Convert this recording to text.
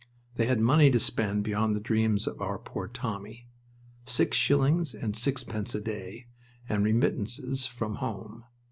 They had money to spend beyond the dreams of our poor Tommy. Six shillings and sixpence a day and remittances from home.